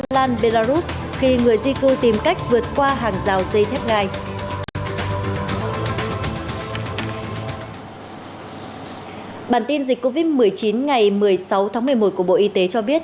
bản tin dịch covid một mươi chín ngày một mươi sáu tháng một mươi một của bộ y tế cho biết